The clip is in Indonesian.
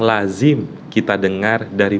lazim kita dengar dari